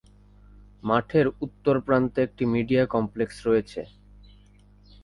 মাঠের উত্তর প্রান্তে একটি মিডিয়া কমপ্লেক্স রয়েছে।